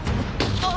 あっ！